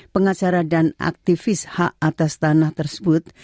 pengacara dan aktivis hak atas tanah tersebut